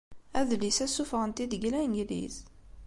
Adlis-a ssuffɣen-t-id deg Langliz.